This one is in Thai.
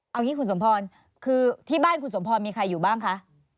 เอางี้คุณสมพรคือที่บ้านคุณสมพรมีใครอยู่บ้างคะ